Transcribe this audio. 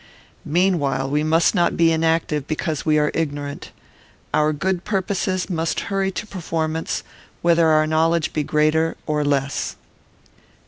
Meanwhile, we must not be inactive because we are ignorant. Our good purposes must hurry to performance, whether our knowledge be greater or less.